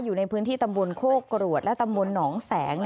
อยู่ในพื้นที่ตำบลโคกรวดและตำบลหนองแสง